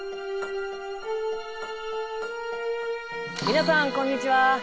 皆さんこんにちは。